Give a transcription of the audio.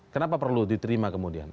kenapa perlu diterima kemudian